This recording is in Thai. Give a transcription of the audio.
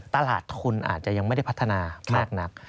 ตลาดทุนอาจจะยังไม่ได้พัฒนามากนัก